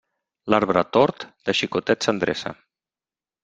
L'arbre tort, de xicotet s'endreça.